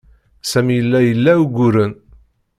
Sami yella ila uguren.